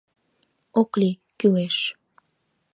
Ок лий, кӱлеш...